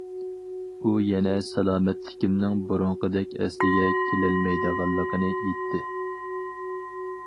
ئۇ يەنە سالامەتلىكىمنىڭ بۇرۇنقىدەك ئەسلىگە كېلەلمەيدىغانلىقىنى ئېيتتى.